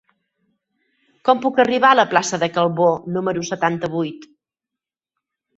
Com puc arribar a la plaça de Calvó número setanta-vuit?